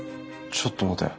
ちょっと待て。